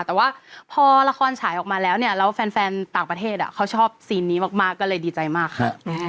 แต่ว่าพอละครฉายออกมาแล้วเนี่ยแล้วแฟนต่างประเทศเขาชอบซีนนี้มากก็เลยดีใจมากค่ะ